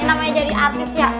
namanya jadi artis ya